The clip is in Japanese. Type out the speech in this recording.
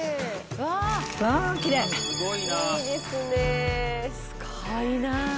わー、きれい。